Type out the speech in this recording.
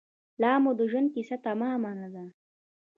لامو د ژوند کیسه تمامه نه ده